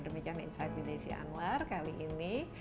demikian insight with desi anwar kali ini